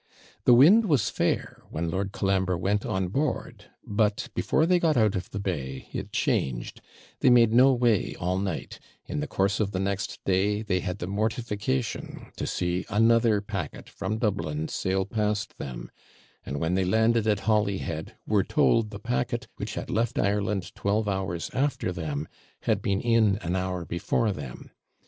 The wind was fair when Lord Colambre went on board, but before they got out of the bay it changed; they made no way all night; in the course of the next day, they had the mortification to see another packet from Dublin sail past them, and when they landed at Holyhead, were told the packet, which had left Ireland twelve hours after them, had been in an hour before them.